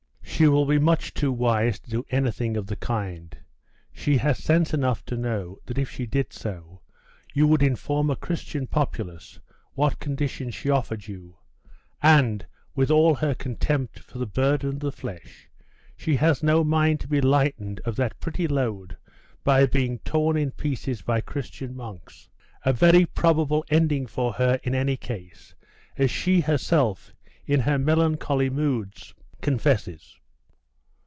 'She will be much too wise to do anything of the kind; she has sense enough to know that if she did so, you would inform a Christian populace what conditions she offered you, and, with all her contempt for the burden of the flesh, she has no mind to be lightened of that pretty load by being torn in pieces by Christian monks; a very probable ending for her in any case, as she herself, in her melancholy moods, confesses!